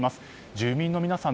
住民の皆さん